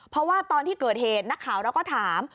เพราะว่าตอนที่เกิดเหตุนักข่าวเราก็ถาม